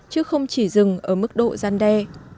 chứ không chỉ dừng ở mức độ gian đe